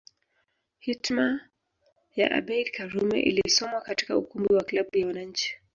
Hitma ya Abeid Karume ilisomwa katika ukumbi wa klabu ya wananchi